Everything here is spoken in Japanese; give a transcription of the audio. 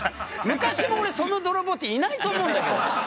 昔もその泥棒っていないと思うんだけど。